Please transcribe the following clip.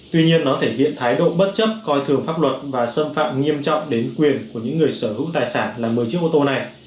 tuy nhiên nó thể hiện thái độ bất chấp coi thường pháp luật và xâm phạm nghiêm trọng đến quyền của những người sở hữu tài sản là một mươi chiếc ô tô này